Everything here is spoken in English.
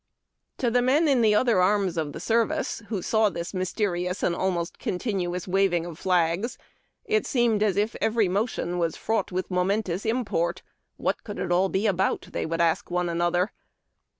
To the men in the other arms of the service, who saw this mysterious and almost continuous waving of flags, it seemed as if every motion was fraught with momentous import. " What could it all be about?" they would ask one another.